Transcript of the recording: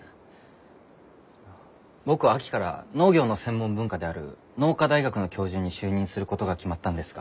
僕は秋から農業の専門分科である農科大学の教授に就任することが決まったんですが。